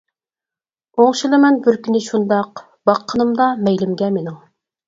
ئوڭشىلىمەن بىر كۈنى شۇنداق، باققىنىمدا مەيلىمگە مېنىڭ.